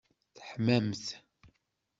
Teḥmamt!